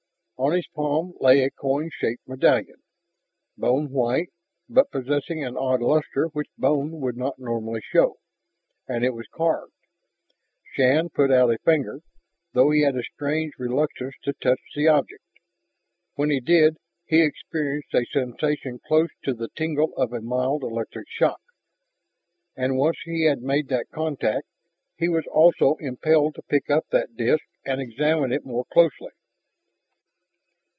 On his palm lay a coin shaped medallion, bone white but possessing an odd luster which bone would not normally show. And it was carved. Shann put out a finger, though he had a strange reluctance to touch the object. When he did he experienced a sensation close to the tingle of a mild electric shock. And once he had made that contact, he was also impelled to pick up that disk and examine it more closely.